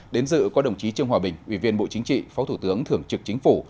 đến dự có đồng chí trương hòa bình ủy viên bộ chính trị phó thủ tướng thường trực chính phủ